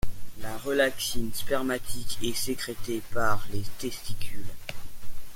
La relaxine spermatique est sécrétée par les testicules.